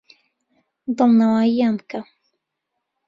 دڵنەوایییان بکە.